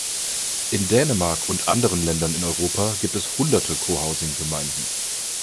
In Dänemark und anderen Ländern in Europa gibt es hunderte Cohousing-Gemeinden.